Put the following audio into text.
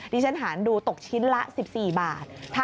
ที่ฉันหารดูตกชิ้นละ๑๔บาท